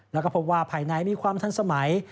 แล้วก็พบว่าภายในมีความทันสมัย